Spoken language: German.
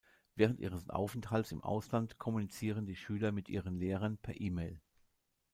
Während ihres Aufenthalts im Ausland kommunizieren die Schüler mit ihren Lehrern per E-Mail.